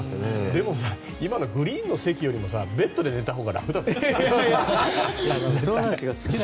でも、今のグリーン車の席よりもベッドで寝たほうが楽じゃない？